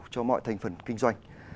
cho mọi thành phần kinh doanh